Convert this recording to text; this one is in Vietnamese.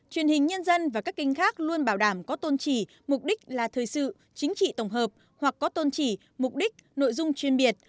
truyền hình nhân dân và các kênh khác luôn bảo đảm có tôn trì mục đích là thời sự chính trị tổng hợp hoặc có tôn chỉ mục đích nội dung chuyên biệt